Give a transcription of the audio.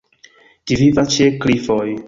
Ĝi vivas ĉe klifoj.